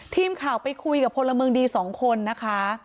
ทีมข่าวไปคุยกับพลเมืองดีสองคนนะคะ